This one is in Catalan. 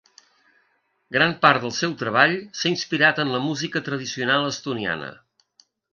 Gran part del seu treball s'ha inspirat en la música tradicional estoniana.